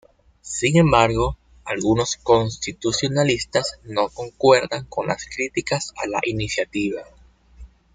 Sin embargo, algunos constitucionalistas no concuerdan con las críticas a la iniciativa.